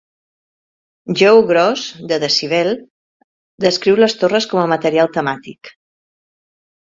Joe Gross de "Decibel" descriu les torres com a material "temàtic".